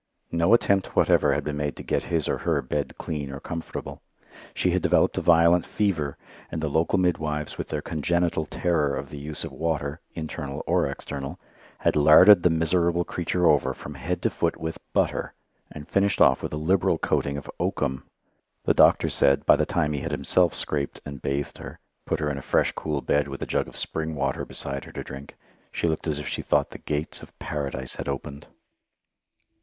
No attempt whatever had been made to get her or her bed clean or comfortable. She had developed a violent fever, and the local midwives, with their congenital terror of the use of water internal or external had larded the miserable creature over from head to foot with butter, and finished off with a liberal coating of oakum. The doctor said, by the time he had himself scraped and bathed her, put her in a fresh cool bed with a jug of spring water beside her to drink, she looked as if she thought the gates of Paradise had opened.